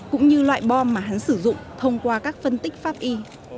cũng như loại bom mà hắn sử dụng thông qua các phân tích pháp y